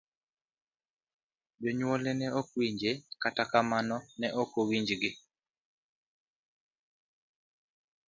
Jonyuolne ne ok owinje, kata kamano ne ok owinjgi.